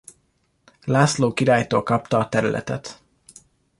László királytól kapta a területet.